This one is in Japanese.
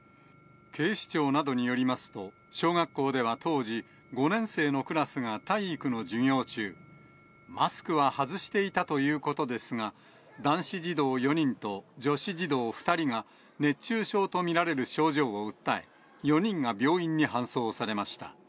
警視庁などによりますと、小学校では当時、５年生のクラスが体育の授業中、マスクは外していたということですが、男子児童４人と女子児童２人が、熱中症と見られる症状を訴え、４人が病院に搬送されました。